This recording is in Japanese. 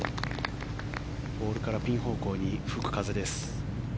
ボールからピン方向に吹く風です。